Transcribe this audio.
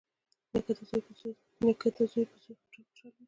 نیکه د زوی په زوی ډېر خوشحال وي.